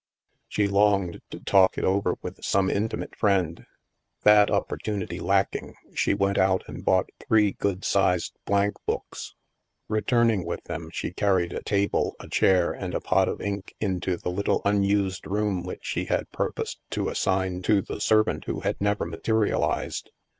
She longed to talk it over with some intimate friend. That opportunity lacking, she went out and bought three good sized blank books. Returning with them, she carried a table, a chair and a pot of ink into the little unused room which she had pur posed to assign to the servant who had never mate rialized.